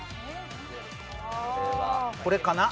これかな？